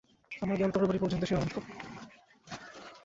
আমার জ্ঞান তরবারি পর্যন্ত সীমাবদ্ধ।